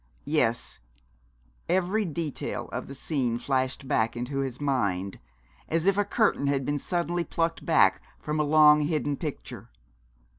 Yes, every detail of the scene flashed back into his mind, as if a curtain had been suddenly plucked back from a long hidden picture.